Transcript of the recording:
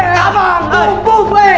kamang tumpung we